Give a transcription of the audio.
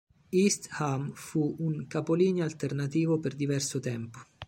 East Ham fu un capolinea alternativo per diverso tempo.